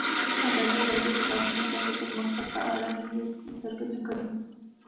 ازادي راډیو د بانکي نظام د پرمختګ په اړه هیله څرګنده کړې.